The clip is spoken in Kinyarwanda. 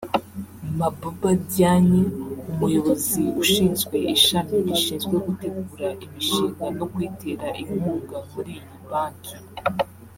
Mabouba Diagne umuyobozi ushinzwe ishami rishinzwe gutegura imishinga no kuyitera inkunga muri iyi banki